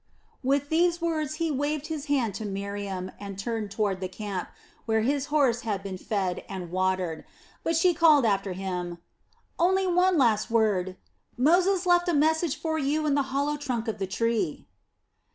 With these words he waved his hand to Miriam and turned toward the camp, where his horse had been fed and watered; but she called after him: "Only one last word: Moses left a message for you in the hollow trunk of the tree."